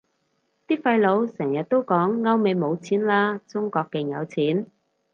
啲廢老成日都講歐美冇錢喇，中國勁有錢